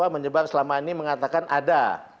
menyebabkan selama ini mengatakan ada